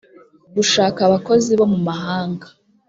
gushaka abakozi bo mu mahanga